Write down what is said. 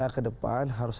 ke depan harus